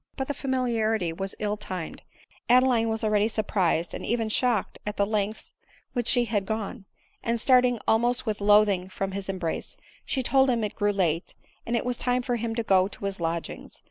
But the familiarity was ill timed ; Adeline was already 1 208 ADELINE MOWBRAY. surprised, and even shocked at the lengths which she had gone ; and starting almost with loathing from his embrace, she told him it grew late, and it was time for him to go to his lodgings.